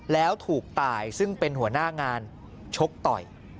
แล้วถูกตายซึ่งเป็นหัวหน้างานชกต่อย